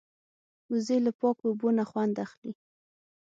وزې له پاکو اوبو نه خوند اخلي